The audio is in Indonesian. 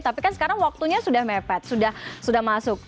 tapi kan sekarang waktunya sudah mepet sudah masuk